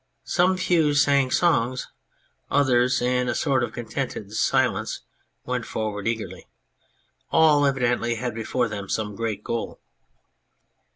Some few sang songs, others in a sort of contented silence went forward eagerly ; all evidently had before them some great goal.